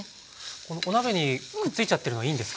このお鍋にくっついちゃってるのはいいんですか？